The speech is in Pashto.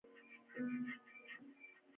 توپیر دا دی چې غیر صحي غوراوي